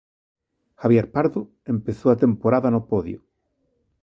Javier Pardo empezou a temporada no podio.